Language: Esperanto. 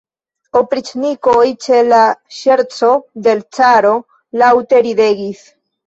La opriĉnikoj, ĉe la ŝerco de l' caro, laŭte ridegis.